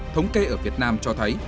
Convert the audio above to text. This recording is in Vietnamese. thống kê ở việt nam cho thấy